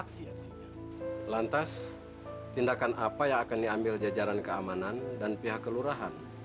supaya akan diambil jajaran keamanan dan pihak kelurahan